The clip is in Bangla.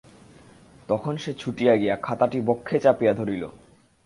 তখন সে ছুটিয়া গিয়া খাতাটি বক্ষে চাপিয়া ধরিল।